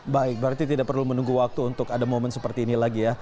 baik berarti tidak perlu menunggu waktu untuk ada momen seperti ini lagi ya